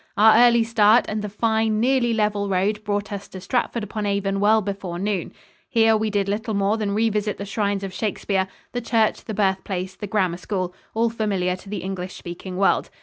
Our early start and the fine, nearly level road brought us to Stratford upon Avon well before noon. Here we did little more than re visit the shrines of Shakespeare the church, the birthplace, the grammar school all familiar to the English speaking world.